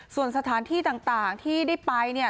ส่วนสถานที่ต่างที่ได้ไปเนี่ย